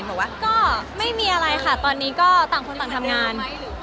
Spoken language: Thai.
บอกว่าก็ไม่มีอะไรค่ะตอนนี้ก็ต่างคนต่างทำงาน